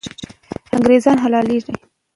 انګریزان حلالېږي.